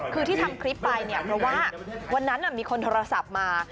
คือที่ทำคลิปไปเนี่ยเพราะว่าวันนั้นมีคนโทรศัพท์มา